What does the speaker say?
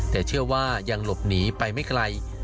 แต่เชื่อว่ายังหลบหนีไปไม่ไกล